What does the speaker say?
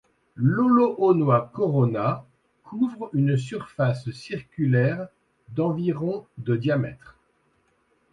Lalohonua Corona couvre une surface circulaire d'environ de diamètre.